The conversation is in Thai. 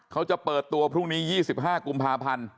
เขาจะเปิดตัวพรุ่งนี้๒๕กุมภาพันธ์